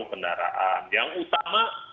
kendaraan yang utama